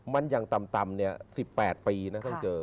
มันยังต่ำเนี่ย๑๘ปีนะต้องเจอ